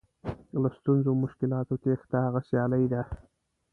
له ستونزو او مشکلاتو تېښته هغه سیالي ده.